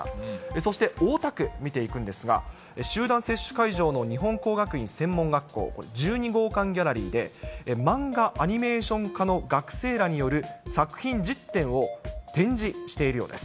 そして、大田区、見ていくんですが、集団接種会場の日本工学院専門学校１２号館ギャラリーで、マンガ・アニメーション科の学生らによる作品１０点を展示しているようです。